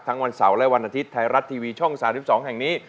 วันเสาร์และวันอาทิตย์ไทยรัฐทีวีช่อง๓๒แห่งนี้